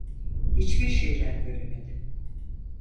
Hiçbir şeyler göremedi.